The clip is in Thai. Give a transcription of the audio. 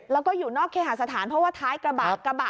แล้วก็อยู่นอกเครียร์หัสสถานเพราะว่าท้ายกระบะ